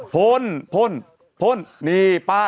พ่นพ่นพ่นนี่ป้า